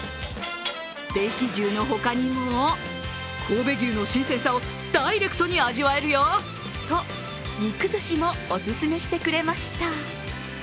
ステーキ重の他にも、神戸牛の新鮮さをダイレクトに味わえるよと肉ずしもお勧めしてくれました。